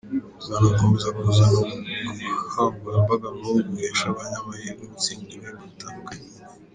Tuzanakomeza kuzana ubukangurambaga nk’ubu buhesha abanyamahirwe gutsindira ibihembo bitandukanye”.